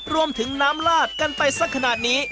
รวมถึงน้ำลาดกันไปสักขนาดนี้